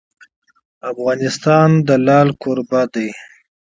افغانستان د لعل کوربه دی.